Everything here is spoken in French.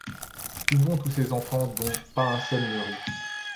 Où vont tous ces enfants dont pas un seul ne rit?